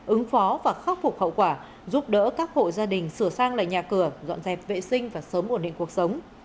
ứng phó và khắc phục hậu quả giúp đỡ các hộ gia đình sửa sang lại nhà cửa dọn dẹp vệ sinh và sớm ổn định cuộc sống